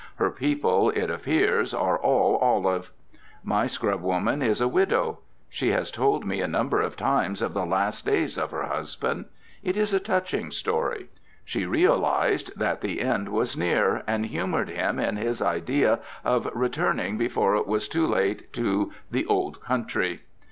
Her people, it appears, "are all olive." My scrubwoman is a widow. She has told me a number of times of the last days of her husband. It is a touching story. She realised that the end was near, and humoured him in his idea of returning before it was too late to "the old country."